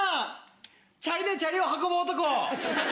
「チャリでチャリを運ぶ男」。